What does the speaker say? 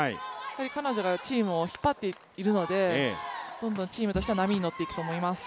彼女がチームを引っ張っているので、どんどんチームとしては波に乗っていくと思います。